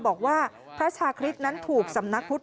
บอกว่าพระชาคริสต์นั้นถูกสำนักพุทธ